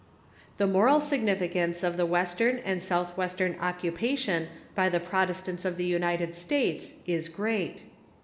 The moral significance of the Western and Southwestern occupation by the Protestants of the United States is great.